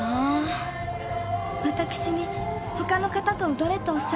私に「他の方と踊れ」とおっしゃったのです。